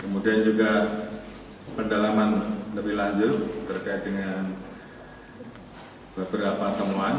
kemudian juga pendalaman lebih lanjut terkait dengan beberapa temuan